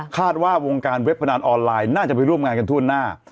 ว่าวงการเว็บพนันออนไลน์น่าจะไปร่วมงานกันทั่วหน้า